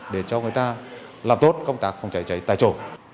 để cho người ta làm tốt công tác phòng cháy cháy tại chỗ